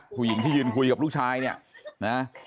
ผู้หญิงที่ยืนคุยกับลูกชายเนี่ยนะ